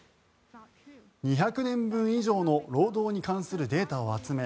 ２００年分以上の労働に関するデータを集め